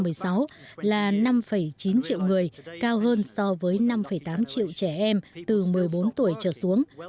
số người già của canada theo thống kê năm hai nghìn một mươi sáu là năm chín triệu người cao hơn so với năm tám triệu trẻ em từ một mươi bốn tuổi trở xuống